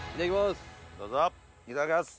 いただきます。